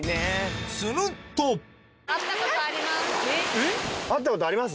すると会ったことあります？